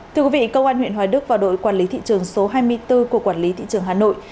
thưa quý vị công an huyện hoài đức và đội quản lý thị trường số hai mươi bốn của quản lý thị trường hà nội